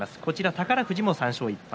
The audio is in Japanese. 宝富士も３勝１敗。